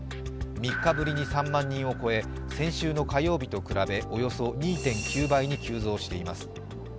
３日ぶりに３万人を超え、先週の火曜日と比べおよそ２．９倍に急増しています。